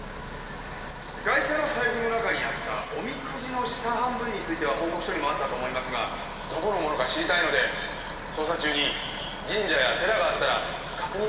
ガイシャの財布の中にあったおみくじの下半分については報告書にもあったと思いますがどこのものか知りたいので捜査中に神社や寺があったら確認をお願いしたいと。